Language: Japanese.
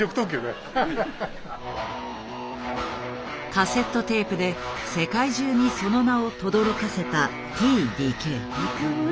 カセットテープで世界中にその名をとどろかせたＴ・ＤＫ。